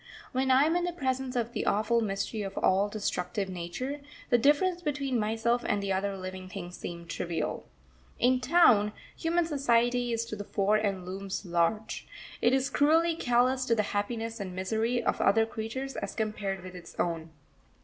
When I am in the presence of the awful mystery of all destructive Nature, the difference between myself and the other living things seems trivial. In town, human society is to the fore and looms large; it is cruelly callous to the happiness and misery of other creatures as compared with its own.